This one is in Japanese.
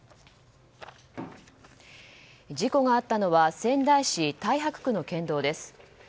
事故があったのは仙台市太白区の県道です。